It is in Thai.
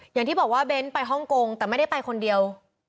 อย่างที่บอกว่าเบ้นไปฮ่องกงแต่ไม่ได้ไปคนเดียว